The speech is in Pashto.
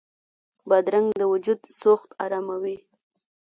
بادرنګ د وجود سوخت اراموي.